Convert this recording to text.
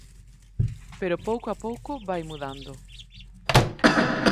Pero pouco a pouco vai mudando.